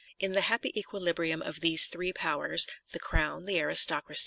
In the happy equilibrium of the three powers : the Crown, the aristocracy, •" QEnone."